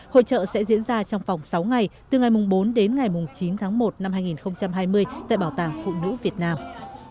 hội trợ sẽ diễn ra trong vòng sáu ngày từ ngày bốn đến ngày chín tháng một năm hai nghìn hai mươi tại bảo tàng phụ nữ việt nam